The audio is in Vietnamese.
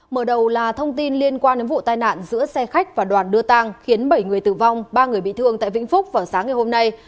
mở đầu là thông tin liên quan đến vụ tai nạn giữa xe khách và đoàn đưa tăng khiến bảy người tử vong ba người bị thương tại vĩnh phúc vào sáng ngày hôm nay